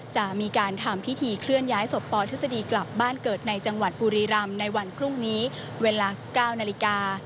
จะมีการทำพิธีเคลื่อนย้ายศพปทฤษฎีกลับบ้านเกิดในจังหวัดบุรีรำในวันพรุ่งนี้เวลา๙นาฬิกา